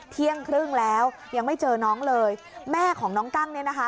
เที่ยงครึ่งแล้วยังไม่เจอน้องเลยแม่ของน้องกั้งเนี่ยนะคะ